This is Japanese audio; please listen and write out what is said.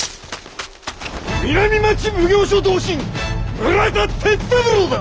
南町奉行所同心村田銕三郎だ！